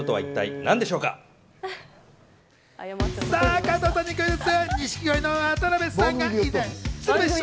加藤さんにクイズッス！